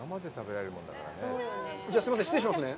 じゃあ、すいません、失礼しますね。